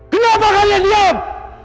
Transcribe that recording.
kenapa kalian diam